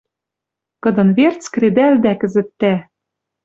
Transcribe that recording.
Кыдын верц кредӓлдӓ кӹзӹт тӓ.